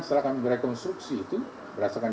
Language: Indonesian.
setelah kami merekonstruksi itu berdasarkan